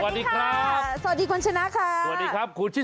สวัสดีครับสวัสดีควรชนะครับ